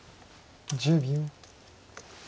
１０秒。